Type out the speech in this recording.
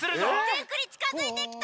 ぜんクリちかづいてきた！